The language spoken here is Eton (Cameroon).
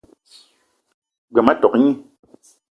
G-beu ma tok gni.